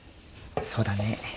そうだね。